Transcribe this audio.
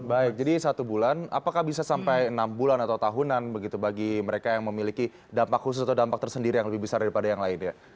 baik jadi satu bulan apakah bisa sampai enam bulan atau tahunan begitu bagi mereka yang memiliki dampak khusus atau dampak tersendiri yang lebih besar daripada yang lainnya